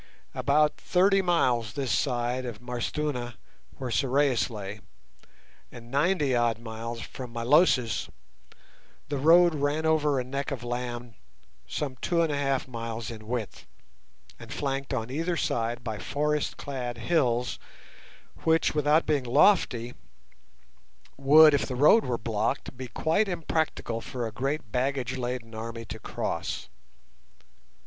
About thirty miles this side of M'Arstuna, where Sorais lay, and ninety odd miles from Milosis, the road ran over a neck of land some two and a half miles in width, and flanked on either side by forest clad hills which, without being lofty, would, if the road were blocked, be quite impracticable for a great baggage laden army to cross.